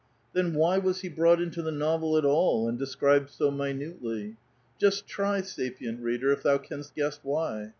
Then why was he brought into the novel at all, and described so minutely ? Just try, sapieut reader, if thou canst guess why.